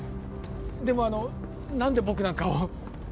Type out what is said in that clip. でもあの何で僕なんかを？